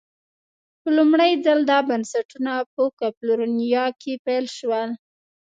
په لومړي ځل دا بنسټونه په کلفورنیا کې پیل شول.